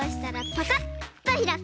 パカッとひらく。